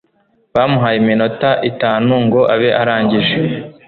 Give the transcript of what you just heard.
bamuhaye iminota itanu ngo abe arangije